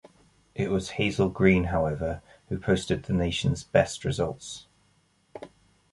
It was Hazel Greene, however, who posted the nation's best results.